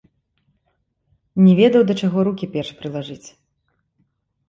Не ведаў, да чаго рукі перш прылажыць.